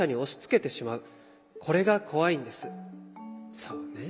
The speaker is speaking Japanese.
そうね。